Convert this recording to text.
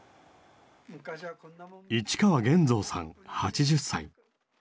市川源造さん８０歳。